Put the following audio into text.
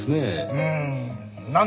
うん。